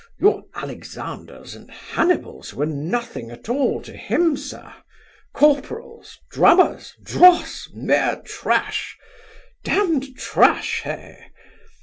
Your Alexanders and Hannibals were nothing, at all to him, sir Corporals! drummers! dross! mere trash Damned trash, heh?